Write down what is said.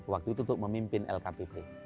waktu itu untuk memimpin lkpp